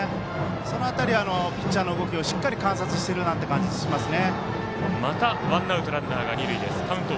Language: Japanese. その辺り、ピッチャーの動きをしっかり観察してるなという感じしますね。